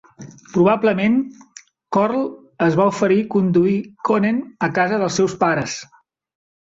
Probablement, Corll es va oferir conduir Konen a casa dels seus pares.